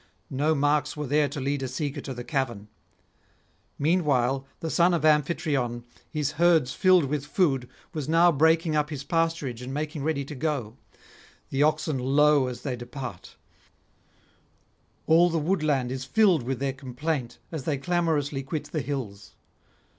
No marks were there to lead a seeker to the cavern. Meanwhile the son of Amphitryon, his herds filled with food, was now breaking up his pasturage and making ready to go. The oxen low as they depart; all the woodland is filled with their complaint as they clamorously quit the hills.